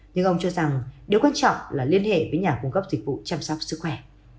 nhưng ông cho rằng điều quan trọng là liên hệ với nhà cung cấp dịch vụ chăm sóc sức khỏe